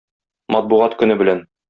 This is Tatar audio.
Матбугат көне белән!